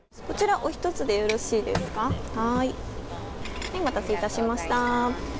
お待たせいたしました。